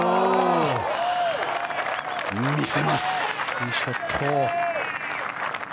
いいショット。